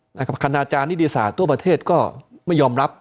คณาจารย์นิติศาสตร์ทั่วประเทศก็ไม่ยอมรับ